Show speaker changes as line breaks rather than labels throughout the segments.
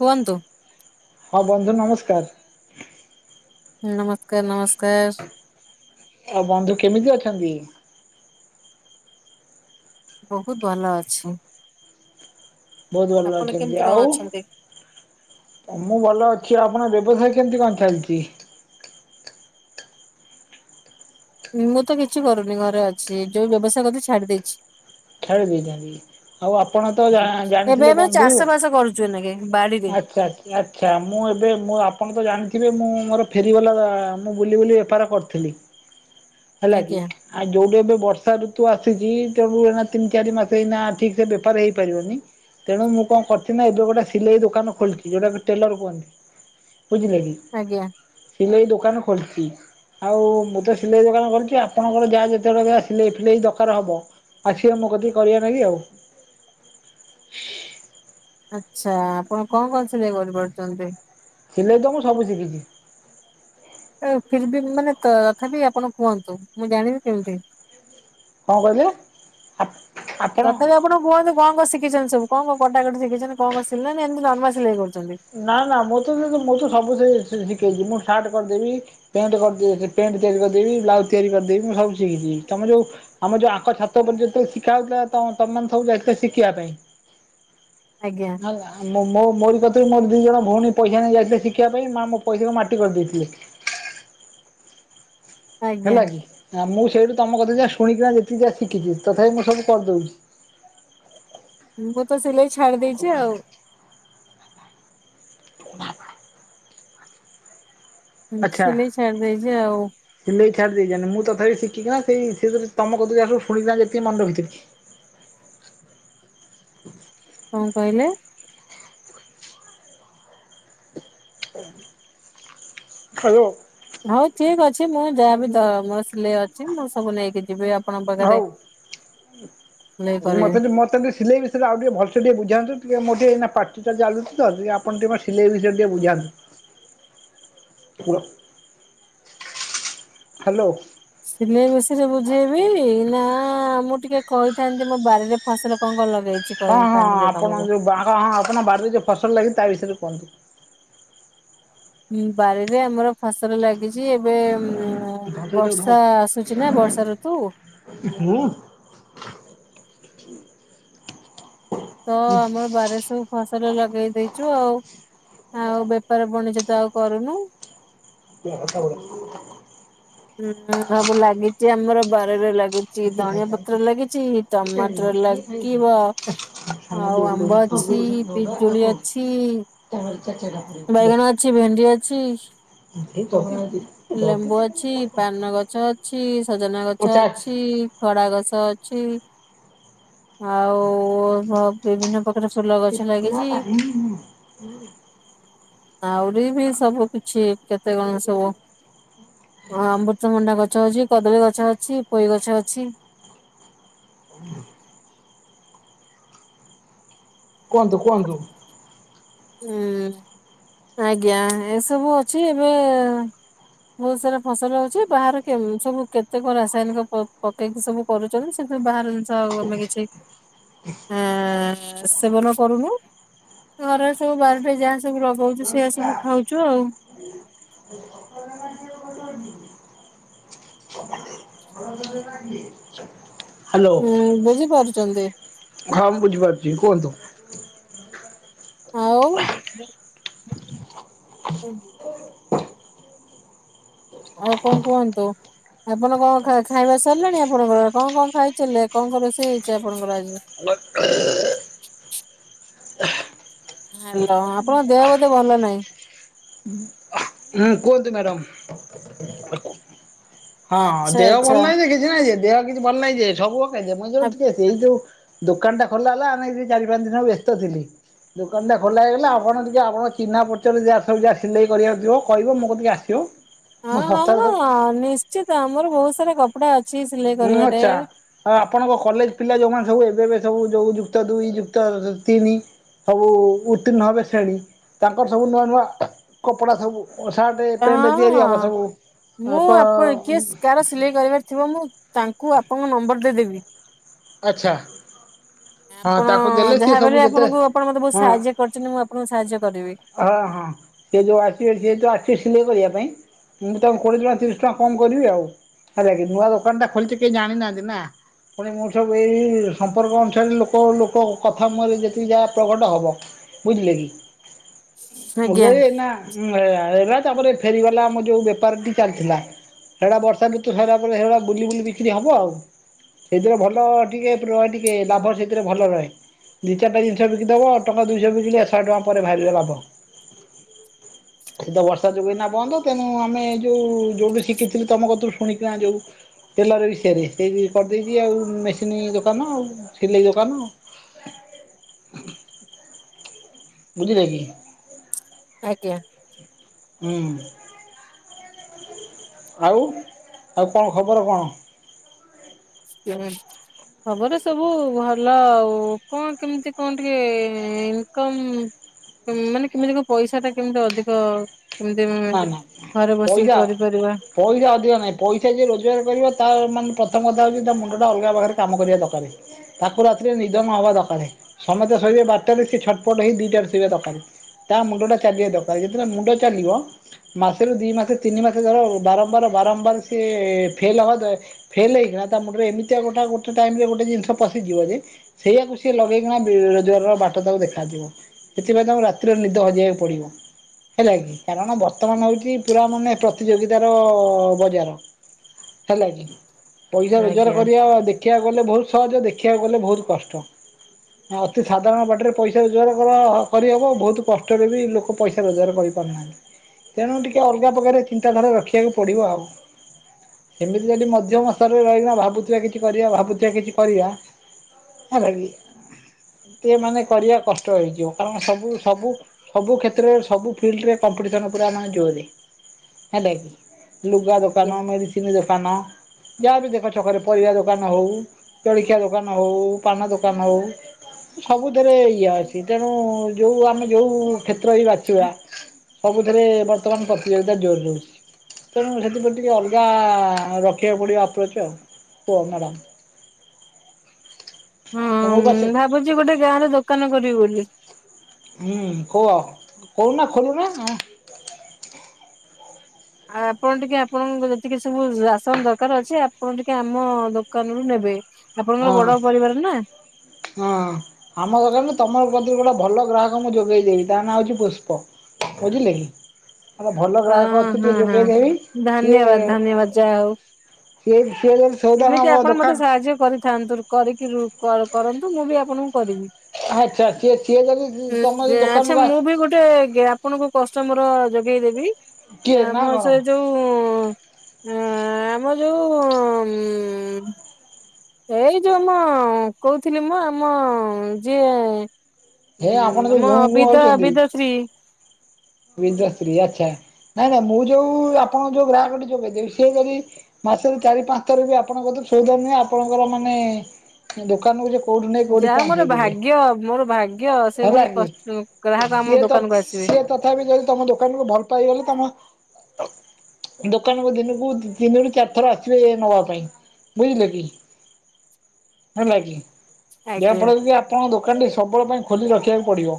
କୁହନ୍ତୁ।
ହଁ ବନ୍ଧୁ ନମସ୍କାର।
ନମସ୍କାର, ନମସ୍କାର।
ଆଉ ବନ୍ଧୁ କେମିତି ଅଛନ୍ତି?
ବହୁତ ଭଲ ଅଛି।
ବହୁତ ଭଲ
ଆପଣ
ଅଛନ୍ତି।
କେମିତି କଣ ଅଛନ୍ତି?
ଆଉ ମୁଁ ଭଲ ଅଛି। କି ଆପଣଙ୍କ ବ୍ୟବସାୟ କେମିତି କଣ ଚାଲିଚି?
ମୁଁ ତ କିଛି କରୁନି ଘରେ ଅଛି ଯୋଉ ବ୍ୟବସାୟ କରିଥିଲି ଛାଡି ଦେଇେଚି।
ଛାଡ଼ି ଦେଇଥାନ୍ତି ଆଉ ଆପଣ ତ
ଏବେ
ଜା-ଜାଣିଥିଲେ
ଆମେ
ବନ୍ଧୁ
ଚାଷ ବାସ କରୁଛୁ ଏନାକେ ବାଡିରେ
ଆଚ୍ଛା ଆ ଆଚ୍ଛା ମୁଁ ଏବେ ମୁଁ ଆପଣ ତ ଜାଣି ଥିବେ ମୁଁ ମୋର ଫେରିବଲା ମୁଁ ବୁଲି ବୁଲି ବେପାର କରିଥିଲି। ହେଲା କି
ଆଜ୍ଞା
ଆଉ ଯୋଉଠି ଏବେ ବର୍ଷା ଋତୁ ଆ ସୁଚି [unintelligible] ତିନି ଚାରି ମାସ ଏଇନା ଠିକ୍ ସେ ବେପାର ହେଇ ପାରିବନି ତେଣୁ ମୁଁ କଣ କରୁଚିନା ଏଇ ଯୋଉ ଗୋଟେ ସିଲେଇ ଦୋକାନ ଖୋଲଚି ଯୋଉଟା କି ଟେଲର କୁହନ୍ତି। ବୁଝିଲ କି?
ଆଜ୍ଞା।
ସିଲେଇ ଦୋକାନ ଖୋଲିଚି ଆଉ ମୁଁ ତ ସିଲେଇ ଦୋକାନ ଖୋଲିଚି ଆପଣଙ୍କର ଯାହା ଯେତେବେଳେ ଯାହା ସିଲେଇ ଫିଲେଇ ଦରକାର ହବ ଆ ସିବ ମୋ କତିକି କରିବା ନା ଗି ଆଉ।
ଆଚ୍ଛା ଆପଣ କଣ କଣ ସିଲେଇ କରିପାରୁଛନ୍ତି?
ସିଲେଇ ତ ମୁଁ ସବୁ ଶିକିଚି।
ଫିର୍ ବି ମାନେ ତ-ତଥାପି ଆପଣ କୁହନ୍ତୁ ମୁଁ ଜାଣିବି କେମିତି?
କଣ କହିଲେ? ଆପଣ
ତଥାପି ଆପଣ କୁହନ୍ତୁ କଣ କଣ ଶି ଶିକିଚନ୍ତି ସବୁ କଣ କଣ କଟା କଟି ଶିକିଚନ୍ତି କଣ କଣ ସିଲା ନା ନର୍ମାଲ ସିଲେଇ କରୁଛନ୍ତି?
ନା ନା ମୁଁ-ତ-ମୁଁ-ତ ସବୁ ସେଇ-ସି କିଚି ମୁଁ ସାର୍ଟ କରିଦେବି ପେଣ୍ଟ କରି ପଣ୍ଟ ତିଆରି କରିଦେବି ବ୍ଲାଉଜ ତିଆରି କରିଦେବି ମୁଁ ସବୁ ଶିକିଚି ତମେ ଯୋଉ ଆମର ଯୋଉ ଆଙ୍କ ଛାତ ଉପରେ ଯେତେବେଳେ ଶିକା ହଉଥିଲା ତ ତମମାନେ ସବୁ ଯାଇଥିଲ ଶିକିବା ପାଇଁ। ଆଜ୍ଞା ମୋ-ମୋ-ମୋରି କ ମୋର ଦି ଜଣ ଭଉଣୀ ପଇସା ନେଇ ଯାଇଥିଲେ ଶିକିବା ପାଇଁ ମା ମୋ ପଇସାକୁ ମାଟି କରିଦେଇଥିଲେ।
ଆଜ୍ଞା
ହେଲା କି ମୁଁ ସେଇଠୁ। ତମ କତୁରୁ ଯାହା ଶୁଣିକିନା ଯେତିକି ଯାହା ଶିକିଚି ତଥାପି ମୁଁ ସବୁ କରଦେଉଚି।
ମୁଁ ସିଲେଇ ଛାଡି ଦେଇେଚି ଆଉ।
[unintelligible] ଆଛା
ସିଲେଇ ଛାଡି ଦେଇଛି ଆଉ।
ସିଲେଇ ଛାଡି ଦେଇଚନ୍ତି ମୁଁ ତଥାପି ଶିଖିକିନା ସେଇ ସେଇତିରେ ତମ କତୁରୁ ଯାହା ସବୁ ଶୁଣିକିନା ଯେତିକି ମନ ରକିଥିଲି।
କଣ କଇଲେ?
ହାଲୋ।
ହଉ ଠିକ ଅଛି ମୁଁ ଯାହାବି ଦ ମୋର ସିଲେଇ ଅଛି ମୁଁ ସବୁ ନେଇକି ଯିବି ଆ
ହଉ
ସିଲେଇ କରିବି।
ମତେ ବି ମତେ ବି ସିଲେଇ ବିଷୟରେ ଆଉ ଟିକେ ଭଲସେ ଟିକେ ବୁଝାନ୍ତୁ ଟିକେ ମୋ ପାର୍ଟି ଟା ଚାଲୁଚି ତ ଟିକେ ଆପଣ ଟିକେ ସିଲେଇ ବିଷୟରେ ଟିକେ ବୁଝାନ୍ତୁ ପ ହାଲୋ।
ସିଲେଇ ବିଷୟ ରେ ବୁଝେଇବି ନା ମୁଁ ଟିକେ କହିଥାନ୍ତି ମୋ ବାରିରେ ଫସଲ କଣ କଣ ଲଗେଇ
ହଁ ହଁ ଆପଣ ଯୋଉ ବା ହଁ ହଁ ଆପଣ ବାରି ରେ ଯୋଉ ଫସଲ ଲାଗିଚି ତା ବିଷୟରେ କୁହନ୍ତୁ।
ହୁଁ ବାରିରେ ଆମର ଫସଲ ଲାଗିଛି। ଚି ଏବେ
ଧର ଏଇଟାକୁ ଧର।
ବର୍ଷା ଆସୁଛି ନା ବର୍ଷା ଋତୁ।
[unintelligible]
ତ ଆମର ବାରିରେ ସବୁ ଫସଲ ଲଗେଇ ଦେଇେଇଛୁ ଆଉ। ଆଉ ବେପାର ବଣିଜ ତ ଆଉ କରୁନୁ।
[unintelligible]
ହୁଁ ସବୁ ଲାଗିଛି ଆମର ବାରିରେ ଲାଗି। ଚି ଧନିଆ ପତ୍ର ଲାଗିଛି ଟମାଟର ଲାଗିବ ଆଉ ଆମ୍ବ ଅଛି ପିଜୁଳି ଅଛି।
ହୁଁ।
ବାଇଗଣ ଅଛି ଭେଣ୍ଡି ଅଛି। ଛି।
ଆଚ୍ଛା
ଲେମ୍ବୁ ଅଛି ପାନ ଗଛ ଅଛି ସଜନା ଗଛ ଅଛି ଖଡ଼ା ଗଛ। ଛ ଅଛି। ଆଉ ଓ ଭ ବ। ବିଭିନ୍ନ ପ୍ର
[unintelligible]
ଆହୁରି ବି ସବୁ କିଛି କେ ତେ କଣ ସବୁ। ହଁ ଅମବୃତ ଭଣ୍ଡା ଗ ଗଛ ଅଛି କଦଳୀ ଗଛ ଅଛି ପୋଇ ଗଛ ଅଛି।
ହୁ କୁହନ୍ତୁ କୁହନ୍ତୁ।
ହୁଁ ଆଜ୍ଞା ଏସବୁ ଅଛି ଏବେ ବହୁତ ସାରା ଫସଲ ଅଛି ବାହରେ କେମ୍ ସବୁ କେତେ କ ରାସାୟନିକ ପକେଇକି ସବୁ କରୁଛନ୍ତି ସେଥି ବାହରୁ ଜିନିଶ ସ ଆଉ ଆମେ କିଛି। ଆଁ ସେବନ କରୁନୁ ଘରେ। ସବୁ ବାରିରେ ଯାହା ସବୁ ଲଗାଉଛୁ ସେଇଆ ସବୁ ଖାଉଛୁ ଆଉ।
ହାଲୋ
ଉଁ ବୁଝିପାରୁଛନ୍ତି
ହଁ ମୁଁ ବୁଝିପାରୁଛି କୁହନ୍ତୁ। ହ
ଆଉ। ଆଉ କଣ କୁହନ୍ତୁ ଆପଣ କଣ ଖାଇ ଖାଇବା ସାରିଲାଣି ଆପଣଙ୍କର କଣ କଣ ଖାଇଥିଲେ କଣ କଣ ରୋଷେଇ ହେଇଛି ଆପଣଙ୍କର ଆଜି। ହାଲୋ ଆପଣଙ୍କ ଦେହ ବୋଧେ ଭଲ ନାହିଁ।
ଉଁ କୁହନ୍ତୁ ମ୍ୟାଡାମ। ହଁ
ଆଚ୍ଛା
ଦେହ ଭଲ
ଆଚ୍ଛା
ନାହିଁ ଯେ କିଛି ନାହିଁ ଯେ। ଦେହ କିଛି ଭଲ ନାହିଁ ଯେ ସବୁ। ମଝୀରେ ମଝିରେ
ଆପ
ଟିକେ ଏଇ ଯୋଉ। ଦୋକାନଟା ଖୋଲା ହେଲା ଆମେ ଏଇ ଚାରି ପାଞ୍ଚ ଦିନ ବ୍ୟସ୍ତଥିଲ ଦୋକାନଟା ଖୋଲା ହେଇଗଲା ଆପଣ ଟିକେ ଏ ଆପଣ ଚିହ୍ନା ପରିଚରେ ଯାହା ର ସବୁ ଯାହା ସିଲେଇାଇ କରିବାକୁଥିବ। କହିବ ମୋ କତିିକି ଆସିବ।
ହଁ
ଶସ୍ତାରେ
ହଁ
ସବୁ
ହଁ ନିଶ୍ଚିତ ଆମର ବହୁତ ସାରା କପ
ହଁ ଆଚ୍ଛା ଆଉ ଆପଣଙ୍କ କଲେଜ ପିଲା ଯୋଉମାନେ ସବୁ ଏବେ ଏବେ ସବୁ ଯେଉଁ ଯୁକ୍ତ ଦୁଇ ଯୁକ୍ତ ତିନି ସବୁ ଉତ୍ତୀର୍ଣ୍ଣ ହେବେ ଶ୍ରେଣୀ ତାଙ୍କର ସବୁ ନୂଆ ନୂଆ କପଡ଼ା ସବୁ ସାର୍ଟ ପେଣ୍ଟ ତିଆରି ହବ
ହଁ
ସବୁ
ମୁଁ
ତାଙ୍କ
ଆପଣ କିଏ କାର ସିଲେଇ କରିବାର ଥିବ ମୁଁ ତାଙ୍କୁ ଆପଣଙ୍କ ନମ୍ବର ଦେଇଦେବି
ଆଚ୍ଛା
ଆପଣ
ହଁ ତାଙ୍କୁ ଦେଲେ ସିଏ
ଯାହାବି
ସବୁ
ହେଲେ
ଯେତେ
ଆପଣଙ୍କୁ ଆପଣ ମତେ ବହୁତ
ହଁ
ସାହାଯ୍ୟ କରିଛନ୍ତି ମୁଁ ଆପଣଙ୍କୁ ସାହାଯ୍ୟ କରିବି।
ହଁ ହଁ ସେ ଯୋଉ ଆସିବେ ଯିଏ ତ ଆସିବେ ସିଏ ସିଲେଇ କରିବା ପାଇଁ ମୁଁ ତାଙ୍କୁ କୋଡ଼ିଏ ଟଙ୍କା ତିରିଶ ଟଙ୍କା କମ୍ କରିବି ଆଉ ହେଲା କି ନୂଆ ଦୋକାନଟା ଖୋଲିଛି କେହି ଜାଣିନାହାଁନ୍ତି ନା ପୁଣି ମୋର ସବୁ ଏଇ ଏଇ ସମ୍ପର୍କ ଅନୁସାରେ ଲୋକ ଲୋକ କଥା ମୁହଁରେ ଯେତିକି ଯାହା ପ୍ରଘଟ ହବ ବୁଝିଲେ କି। ମୋ
ଆଜ୍ଞା
ଯାକେ ଏଇନା ଉଁ ଏଟା ତାପରେ ଫେରିବାଲା ଆମର ଯେଉଁ ବେପାରଟି ଚାଲିଥିଲା। ସେଇଟା ବର୍ଷା ଋତୁ ସଇଲା ପରେ ସେଗୁଡ଼ା ବୁଲି ବୁଲି ବିକ୍ରି ହବ ଆଉ। ସେଇଥିରେ ଭଲ ଟିକେ ରହେ ଟିକେ ଲାଭ ସେଇଥିରେ ଭଲ ରହେ। ଦି ଚାରିଟା ଜିନିଷ ବିକି ଦବ ଟଙ୍କା ଦୁଇଶହ ବିକିଲେ ଏ ଶହ ଟଙ୍କା ପରେ ବାହାରିବ ଲାଭ। ସେ ତ ବର୍ଷା ଯୋଗୁଁ ଏଇନା ବନ୍ଦ ତେଣୁ ଆମେ ଯୋଉ ଯୋଉଠି ଶିଖିଥିଲୁ ତମ କତୁରୁ ଶୁଣିକିନା ଯୋଉ ଟେଲର ବିଷୟରେ ସେଇ କରିଦେଇକି ଆଉ ମେସିନ୍ ଦୋକାନ ଆଉ ସିଲେଇ ଦୋକାନ। ବୁଝିଲେ କି?
ଆଜ୍ଞା।
ହୁଁ। ଆଉ ଆଉ କଣ ଖବର କଣ?
ଖବର ସବୁ ଭଲ ଆଉ କଣ କେମିତି କଣ ଟିକେ ଇନକମ ମାନେ କେମିତି କଣ ପଇସା ଟା କେମିତି ଅଧିକ କେମିତି
ନାଇଁ ନାଇଁ
ଘରେ ବସିକି
ପଇସା
କରିପାରିବା
ପଇସା ଅଧିକ ନାହିଁ ପଇସା ଯିଏ ରୋଜଗାର କରିବ ତାର ମାନେ ପ୍ରଥମ କଥା ହଉଛି ତା ମୁଣ୍ଡଟା ଅଲଗା ପାଖରେ କାମ କରିବା ଦରକାରେ। ତାକୁ ରାତିରେ ନିଦ ନ ହେବା ଦରକାରେ। ସମତେ ଶୋଇବେ ବାରଟାରେ ସିଏ ଛଟପଟ ହେଇ ଦିଟାରେ ଶୋଇବା ଦରକାରେ। ତା ମୁଣ୍ଡଟା ଚାଲିବା ଦରକାର ଯେତେବେଳେ ମୁଣ୍ଡ ଚାଲିବ ମାସେରୁ ଦି ମାସ ତିନି ମାସ ଧର ବାରମ୍ବାର ବାରମ୍ବାର ସିଏ ଫେଲ ହବ ଫେଲ ହେଇକିନା ତା ମୁଣ୍ଡରେ ଏମିତିଆ ଗୋଟା ଗୋଟେ ଟାଇମ ରେ ଗୋଟେ ଜିନିଷ ପଶିଯିବ ଯେ ସେଇଆକୁ ସିଏ ଲଗେଇକିନା ରୋଜଗାରର ବାଟ ତାକୁ ଦେଖାଯିବ। ସେଥିପାଇଁ ତାଙ୍କୁ ରାତିରେ ନିଦ ହଜେଇବାକୁ ପଡ଼ିବ। ହେଲା କିି କାରଣ ବର୍ ବର୍ତ୍ତମାନ ହଉଛି ପୁରା ମାନେ ପ୍ରତିଯୋଗିତାର ବଜାର ହେଲା କି ପଇସା ରୋଜଗାର
ଆଜ୍ଞା।
କରିବା ଦେଖି ଦେଖିବାକୁ ଗଲେ ବହୁତ ସହଜ ଦେଖିବାକୁ ଗଲେ ବହୁତ କଷ୍ଟ। ଅତି ସାଧାରଣ ବାଟିରେ ପଇସା ରୋଜଗାର କର କରିହେବ ବହୁତ କଷ୍ଟରେ ବି ଲୋକ ପଇସା ରୋଜଗାର କରିପାରୁନାହାଁନ୍ତି। ତେଣୁ ଟିକେ ଅଲଗା ପ୍ରକାରରେ ଚିନ୍ତାଧାରା ରଖିବାକୁ ପଡ଼ିବ ଆଉ। ସେମିତି ଯଦି ମଧ୍ୟମ ସ୍ତରରେ ରହିକିନା ଭାବୁଥିବା କିଛି କରିବା ଭାବୁଥିବା କିଛି କରିବା ହେଲା କି ସିଏ ମାନେ କରିବା କଷ୍ଟ ହେଇଯିବ କାରଣ ସବୁ ସବୁ ସବୁ କ୍ଷେତ୍ରରେ ସବୁ ଫିଲ୍ଡରେ କମ୍ପିଟିସନ୍ ପୁରା ମାନେ ଜୋରେ ହେଲା କିି। ଲୁଗା ଦୋକାନ, ମେଡିସିନୀ ଦୋକାନ ଯାହା ବି ଦେଖ ଛକରେ ପରିବା ଦୋକାନ ହଉ, ଜଳଖିଆ ଦୋକାନ ହଉ, ପାନ ଦୋକାନ ହଉ, ସବୁଥିରେ ଇଏ ଅଛି ତେଣୁ ଯୋଉ ଆମେ ଯୋଉ କ୍ଷେତ୍ର ହି ବାଛିବା ସବୁ ଥିରେ ବର୍ତ୍ତମାନ ପ୍ରତିଯୋଗିତା ଜୋର ରହୁଛି। ତେଣୁ ସେଥିପ୍ରତି ଟିକେ ଅଲଗା ରଖିବାକୁ ପଡ଼ିବ ଆପ୍ରୋଚ୍ ଆଉ। କୁହ ମ୍ୟାଡ଼ାମ୍।
ହଁ
ମୁଁ ପଛେ
ଭାବୁଛି ଗୋଟେ ଗାଁରେ ଦୋକାନ କରିବି ବୋଲି।
ହୁଁ କୁହ କହୁନା ଖୋଲୁନା
ଆ ଆପଣ ଟିକେ ଆପଣଙ୍କ ଯେତିକି ସବୁ ରାସନ ଦରକାର ଅଛି ଆପଣ ଟିକେ ଆମ ଦୋକାନରୁୁ ନେବେ। ଆପଣଙ୍କର ବଡ ପରିବାର ନା।
ହଁ ଆମ ଦୋକାନରୁ ତମ ପ୍ରତିରୁ ଗୋଟେ ଭଲ ଗ୍ରାହକ ମୁଁ ଯୋଗାଇ ଦେବି ତା ନାଁ ହେଉଛି ପୁଷ୍ପ। ବୁଝିଲେ କି? ଆମ ଭଲ
ହଁ
ଗ୍ରାହକ ଅଛି
ହଁ
ଟିକେ
ହଁ।
ଯୋଗେଇ ଦେବି କିଏ
ଧନ୍ୟବାଦ ଧନ୍ୟବାଦ ଯାହା ହଉ
କିଏ
ଏମିତି ଆପଣ ମତେ ସାହାଯ୍ୟ କରିଥାନ୍ତୁ କରିକି ର ପରେ କରନ୍ତୁ ମୁଁ ବି ଆପଣଙ୍କୁ କରିବି।
ଆଚ୍ଛା ସିଏ ସିଏ ଯଦି ତମ ଯଦି
ଆଛା
ଦୋକାନକୁ ଆସ
ମୁଁ ବି ଗୋଟେ ଆପଣଙ୍କ କଷ୍ଟମର ଯୋଗେଇଦବି
କିଏ ନା
ଆମ
କଣ
ସେ ଯୋଉ ଆଁ ଆମ ଯୋଉ ହୁଁ ଏଇ ଯୋଉ ମ କହୁଥିଲି ମୁଁ ଆମ ଯିଏ
ହେ ଆପଣ
ହୁଁ
ଯୋଉ
ଆମ
ଗୁଁ
ବିଦା ବିଦଶ୍ରୀ
ବିନ୍ଦଶ୍ରୀ ଆଚ୍ଛା ନାଇଁ ନାଇଁ ମୁଁ ଯୋଉ ଆପଣଙ୍କୁ ଯୋଉ ଗ୍ରାହକ ଟି ଯୋଗେଇଦେବି ସେ ଯଦି ମାସରେ ଚାରି ପାଞ୍ଚ ଥର ବି ଆପଣଙ୍କ କତିରୁ ସଉଦା ନିଏ ଆପଣଙ୍କର ମାନେ ଦୋକାନକୁ କୋଉଠୁ ନେଇ କୋଉଠି
ଯାହା ମୋର
ପହଞ୍ଚେଇ ଦେବେ
ଭାଗ୍ୟ ମୋର ଭାଗ୍ୟ ସେ
ହେଲା
ଭଳି
କି
କ ଗ୍ରାହକ ଆମ
ସିଏ ତ
ଦୋକାନକୁୁ ଆସିବେ।
ସିଏ ତଥାପି ଯଦି ତମ ଦୋକାନରୁ ଭଲ ପାଇଗଲେ ତମ ଦୋକାନକୁ ଦିନକୁ ତିନରୁ ଚାରି ଥର ଆସିବେ ନବା ପାଇଁ ବୁଝିଲେ କି ହେଲା କିି
ଆଜ୍ଞା
ଯାହାଫଳରେ କି ଆପଣଙ୍କ ଦୋକାନ ଟି ସବୁବେଳେ ପାଇଁ ଖୋଲି ରଖିବାକୁ ପଡିବ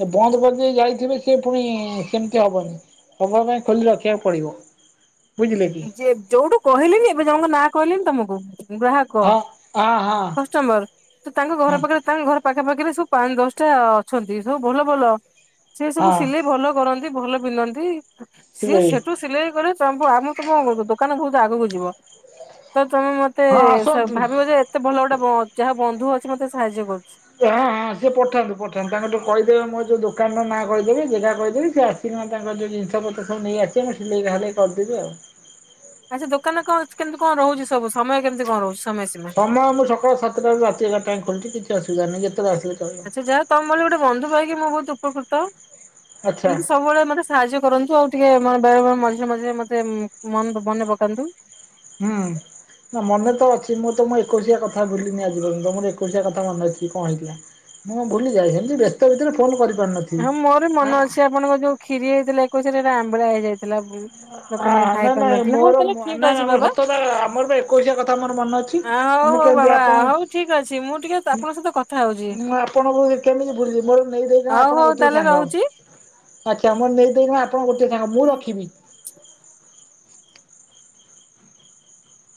ଏ ବନ୍ଦ କରିଦେଇ ଯାଇଥିବେ ପୁଣି ସେମିତି ହବନି ହବା ପାଇଁ ଖୋଲି ରଖିବାକୁ ପଡିବ
ଯେ ଯୋଉଠୁ କହିଲେ ବି ଏବେ ଜଣଙ୍କ ନାଁ କହିଲେ ବି ତମକୁ ହଁ ଗ୍ରାହକ
ହଁ ହଁ ହଁ।
କଷ୍ଟମ୍ୱର ତ ତାଙ୍କ ଘର
ହଁ
ପାଖରେ ତାଙ୍କ ଘର ପାଖା ପାଖିରେ ସବୁ ପାଞ୍ଚ ଦଶଟା ଅଛନ୍ତି ସବୁ ଭଲ ଭଲ ସେ ସବୁ
ହଁ
ସିଲେଇ ଭଲ କର ରି ଭଲ ପିିନ୍ଧନ୍ତି। ସିଏ
ସେଇ
ସେଠୁ ସିଲେଇ କରି [inaudible] କଣ କହୁଚ ଦୋକାନ ବହୁତ ଆଗକୁ ଯିବ ତ ତମେ ମତେ
ହଁ
ସେ
ଆସନ୍ତୁ।
ଭାବିବ ଯେ ଏତେ ଭଲ ଗୋଟେ ବ ଯାହା ବନ୍ଧୁ ଅଛି ମତେ ସାହାଯ୍ୟ କରୁ
ହଁ ହଁ ସିଏ ପଠାନ୍ତୁ ପଠାନ୍ତୁ ତାଙ୍କଠୁ କହିଦେବେ ମୋର ଯୋଉ ଦୋ ଦୋକାନର ନାଁ କହିଦେବି ଯେଯା କହିଦେବି ସେ ଆସିକିନା ତାଙ୍କର ଯୋଉ ଜିନିଷ ପତ୍ର ସବୁ ନେଇ ଆସିବେ ମୁଁ ସିଲେଇ ଭାଲେଇ କରିଦେବି ଆଉ
ଆଚ୍ଛା ଦୋକାନରେ କଣ ଅଛି କେମିତି କଣ ରହୁଛି ସବୁ ସମୟ କେମିତି କଣ ରହୁ
ସମୟ ମୁଁ ସକାଳ ସାତଟାରୁ ରାତି ଏଗାରଟାଏ ଖୋଲଥିବି। [inaudible]
ଆଚ୍ଛା ଯାହା ତମ ବୋଲି ଗୋଟେ ବନ୍ଧୁ ପାଇକି ମୁଁ ବହୁତ କହୁତ
ଆଚ୍ଛା
ଏମତି ସବୁବେଳେ ମତେ ସାହାଯ୍ୟ କରନ୍ତୁ ଆଉ ଟିକେ ମତେ ବେଳେଳେ ମଝିରେ ମଝିରେ ମତେ ମନ ମନେ ପକାନ୍ତୁ।
ହୁଁ ନା ମନେ ତ ଅଛି ମୁଁ ତମ ଏକୋଇଶିଆ କଥା ଭୁଲିିନି ଆଜି ପର୍ଯ୍ୟନ୍ତ ମୋର ଏକୋଇଶିଆ କଥା ମନେ ଅଛି କଣ ହେଇଥିଲା ମୁଁ ଭୁଲି ଯାଇଥିଲି ବ୍ୟସ୍ତ ଭିତରେ ଫୋନ କରିି
ହଁ ମୋର ମନ ଅଛି ଆପଣଙ୍କ ଯୋଉ କ୍ଷୀରି ହେଇଥିଲା ଏକୋଇସା ରେ ସେରା ଆମ୍ବିଳା ହେଇଯାଇ
ହ ନାଇଁ ନାଇଁ
ହଉ
ମୋର
ତାହେଲେ ଠିକ ଅଛି
ନାଇଁାଇଁ ମୋର
ବାବା
ସତତା ଆମର ଏକୋଇଶିଆ କଥା ମୋର ମନେ ଅଛି।
ହଉ
ମୁଁ
ହଉ
କେମିତି
ବାବା
ଆପଣ
ହଉ ଠିକ ଅଛି ମୁଁ ଟିକେ ଆପଣଙ୍କ ସହିତ କଥା ହଉଛି।
ମୁଁ ଆପଣଙ୍କୁ କେମିତି ଭୁଲି ମୋର ନେଇଦ
ହଉ ହଉ ତାହେଲେ ରହୁଛି।
ଆଚ୍ଛା ମର୍ ନେ [unintelligible] ଆପଣ ଗୋଟେ ସାଙ୍ଗ ମୁଁ ରଖିବି।